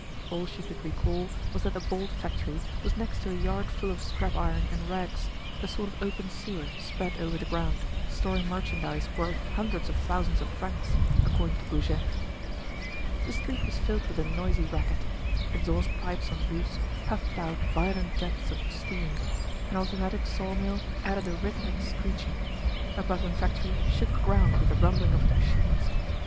All she could recall was that the bolt factory was next to a yard full of scrap iron and rags, a sort of open sewer spread over the ground, storing merchandise worth hundreds of thousands of francs, according to Goujet. The street was filled with a noisy racket. Exhaust pipes on roofs puffed out violent jets of steam; an automatic sawmill added a rhythmic screeching; a button factory shook the ground with the rumbling of its machines.